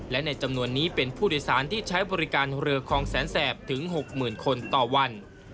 และในจำนวนนี้เป็นผู้โดยสารที่ใช้บริการเรือคลองแสนแสบถึง๖๐๐๐คนต่อวัน